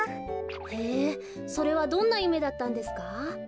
へえそれはどんなゆめだったんですか？